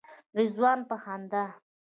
رضوان په خندا.